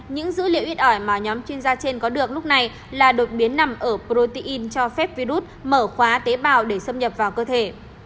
những dữ liệu ít ỏi mà nhóm chuyên gia trên có được lúc này là đột biến nằm ở protein cho phép virus mở khóa tế bào để xâm nhập vào cơ thể